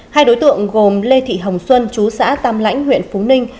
hai đối tượng gồm lê thị hồng xuân chú xã tam lãnh huyện phú ninh